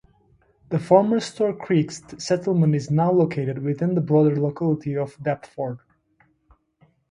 The former Store Creek settlement is now located within the broader locality of Deptford.